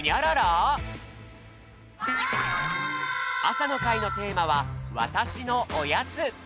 朝の会のテーマは「わたしのおやつ」